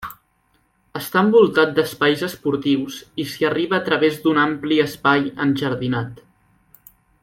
Està envoltat d'espais esportius i s'hi arriba a través d'un ampli espai enjardinat.